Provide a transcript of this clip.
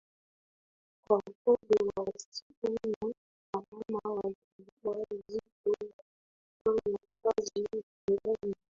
kwa upande wa wasichana na mama wajawazito waliufanya kazi za ndani